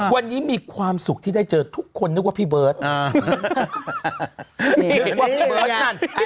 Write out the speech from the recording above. วันนี้มีความสุขที่ได้เจอทุกคนนึกว่าพี่เบิร์ตนึกว่าพี่เบิร์ตนั่น